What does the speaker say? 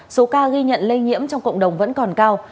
số ca ghi nhận lây nhiễm trong cộng đồng vẫn còn cao